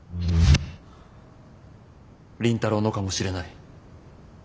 倫太郎のかもしれない。